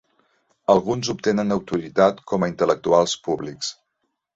Alguns obtenen autoritat com a intel·lectuals públics.